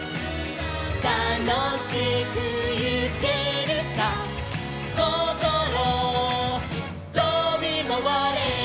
「たのしくいけるさ」「こころとびまわれ」